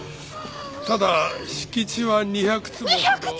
ただ敷地は２００坪。